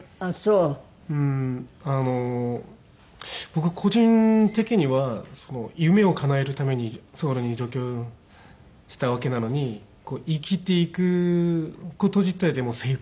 僕個人的には夢をかなえるためにソウルに上京したわけなのに生きていく事自体でもう精いっぱい。